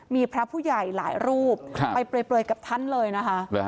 มีพระผู้ใหญ่หลายรูปไปเปลยกับท่านเลยนะคะ